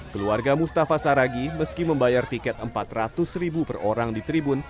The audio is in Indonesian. keluarga mustafa saragi meski membayar tiket rp empat ratus ribu per orang di tribun